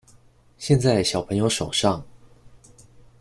現在小朋友手上